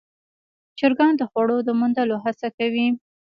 چرګان د خوړو د موندلو هڅه کوي.